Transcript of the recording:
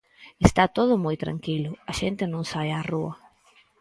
Está todo moi tranquilo, a xente non sae á rúa.